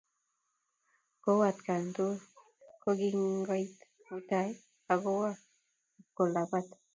Kou atkaan tugul, koking'at mutai ak kowo ip kolapat.